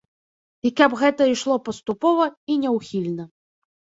І каб гэта ішло паступова і няўхільна.